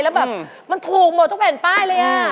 แล้วแบบมันถูกหมดทุกแผ่นป้ายเลยอ่ะ